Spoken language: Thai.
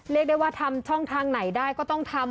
เรียกได้ว่าทำช่องทางไหนได้ก็ต้องทำ